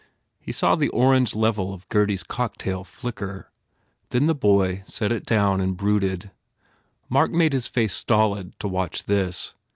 He saw the orange level of Gurdy s cocktail flicker. Then the boy set it down and brooded. Mark made his face stolid to watch this.